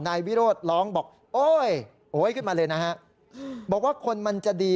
นายวิโรธร้องบอกโอ๊ยโอ๊ยขึ้นมาเลยนะฮะบอกว่าคนมันจะดี